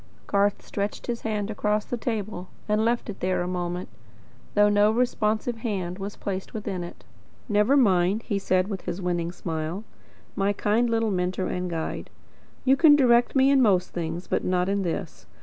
Garth stretched his hand across the table, and left it there a moment; though no responsive hand was placed within it. "Never mind," he said, with his winning smile, "my kind little mentor and guide. You can direct me in most things, but not in this.